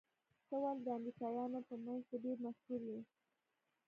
ته ولې د امريکايانو په منځ کې ډېر مشهور يې؟